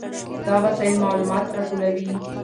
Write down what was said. دا وسایل معلومات راټولوي.